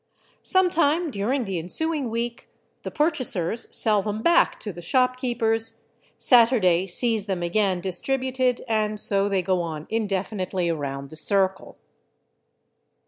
Some time during the ensuing week the purchasers sell them back to the shopkeepers, Saturday sees them again distributed, and so they go on indefinitely around the circle.